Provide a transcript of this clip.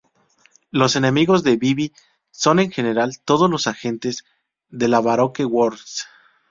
Los enemigos de Vivi son en general todos los agentes de la Baroque Works.